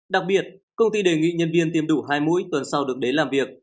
đặc biệt công ty đề nghị nhân viên tiêm đủ hai mũi tuần sau được đến làm việc